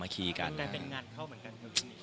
มันก็เป็นงานเข้าเหมือนกัน